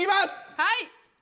はい！